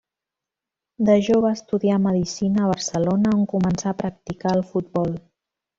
De jove estudià medicina a Barcelona, on començà a practicar el futbol.